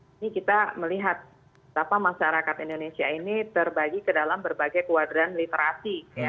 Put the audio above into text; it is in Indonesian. ini kita melihat apa masyarakat indonesia ini terbagi ke dalam berbagai kuadran literasi